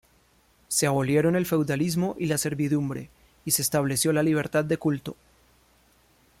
Se abolieron el feudalismo y la servidumbre y se estableció la libertad de culto.